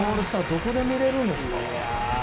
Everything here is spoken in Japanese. どこで見られるんですか。